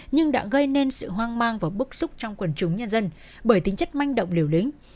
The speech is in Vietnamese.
nhưng đã gây nên sự hoang mang và bức xúc trong quần chúng nhân dân bởi tính chất manh động liều lĩnh